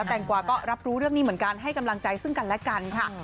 แต่งกว่าก็รับรู้เรื่องนี้เหมือนกันให้กำลังใจซึ่งกันและกันค่ะ